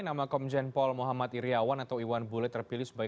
nama komjen paul muhammad iryawan atau ibu komitmen pemilihan pssi